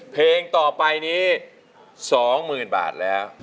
เพลงต่อไปนี้สองหมื่นบาทแล้ว